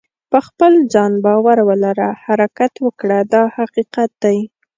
په خپل ځان باور ولره حرکت وکړه دا حقیقت دی.